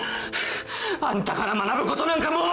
あんたから学ぶことなんかもう。